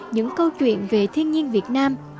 những câu chuyện về thiên nhiên việt nam